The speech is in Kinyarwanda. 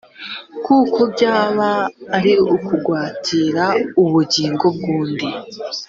kuko byaba ari ukugwatira ubugingo bw’undi.